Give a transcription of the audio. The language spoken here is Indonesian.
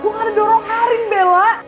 gue gak ada dorong arin bela